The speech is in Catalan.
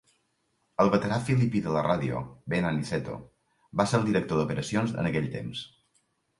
El veterà filipí de la ràdio, Ben Aniceto va ser el director d'operacions en aquell temps.